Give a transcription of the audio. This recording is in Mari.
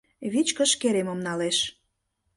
Вичкыж керемым налеш